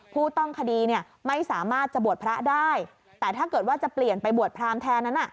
ผู้ต้องคดีเนี่ยไม่สามารถจะบวชพระได้แต่ถ้าเกิดว่าจะเปลี่ยนไปบวชพรามแทนนั้น